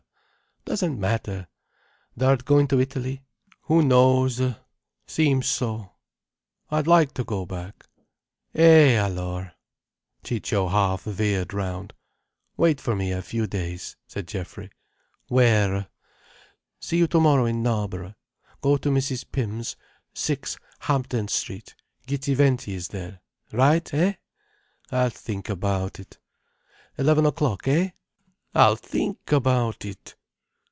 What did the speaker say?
"Doesn't matter. Thou'rt going to Italy?" "Who knows!—seems so." "I'd like to go back." "Eh alors!" Ciccio half veered round. "Wait for me a few days," said Geoffrey. "Where?" "See you tomorrow in Knarborough. Go to Mrs. Pym's, 6 Hampden Street. Gittiventi is there. Right, eh?" "I'll think about it." "Eleven o'clock, eh?" "I'll think about it."